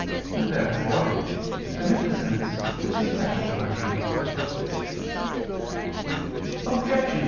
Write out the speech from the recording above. Therefore beneficence is a special virtue.